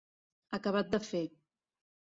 Acabat de fer.